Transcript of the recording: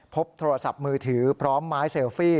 พบโทรศัพท์มือถือพร้อมไม้เซลฟี่